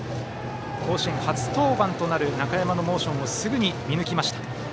甲子園初登板となる中山のモーションをすぐに見抜きました。